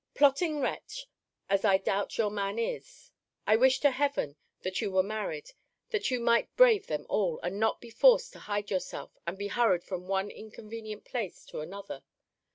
Plotting wretch, as I doubt your man is, I wish to heaven that you were married, that you might brave them all, and not be forced to hide yourself, and be hurried from one inconvenient place to another.